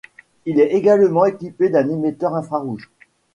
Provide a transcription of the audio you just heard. Il est également équipé d'un émetteur infrarouge.